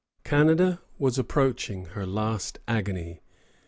] Canada was approaching her last agony.